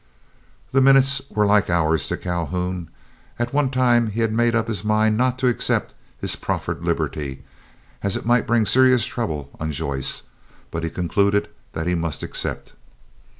The minutes were like hours to Calhoun. At one time he had made up his mind not to accept his proffered liberty, as it might bring serious trouble on Joyce; but he concluded that he must accept.